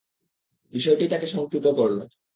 বিষয়টি তাকে সঙ্কিত করল।